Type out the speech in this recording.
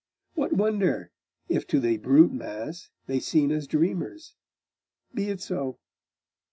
What wonder if to the brute mass they seem as dreamers? Be it so....